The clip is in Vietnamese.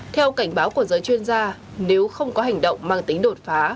theo cảnh báo của giới chuyên gia nếu không có hành động mang tính đột phá